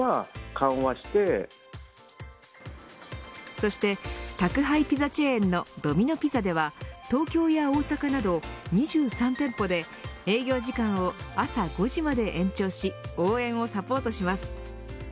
そして宅配ピザチェーンのドミノ・ピザでは東京や大阪など２３店舗で営業時間を朝５時まで延長し応援をサポートします。